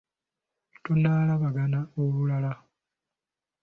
Tunaalabagana olulala.